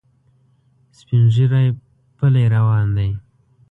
سپین ږیری پلی روان دی.